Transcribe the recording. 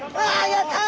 やった！